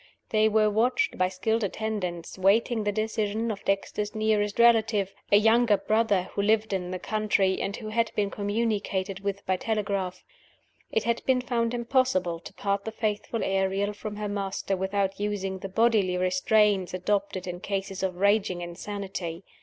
They were watched by skilled attendants, waiting the decision of Dexter's nearest relative (a younger brother, who lived in the country, and who had been communicated with by telegraph). It had been found impossible to part the faithful Ariel from her master without using the bodily restraints adopted in cases of raging insanity.